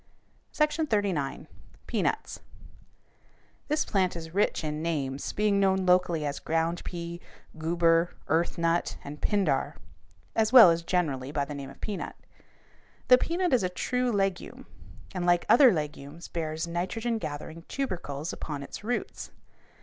SECTION XXXIX. PEANUTS This plant is rich in names, being known locally as "ground pea," "goober," "earthnut," and "pindar," as well as generally by the name of "peanut." The peanut is a true legume, and, like other legumes, bears nitrogen gathering tubercles upon its roots.